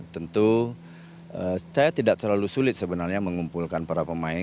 tentu saya tidak terlalu sulit sebenarnya mengumpulkan para pemain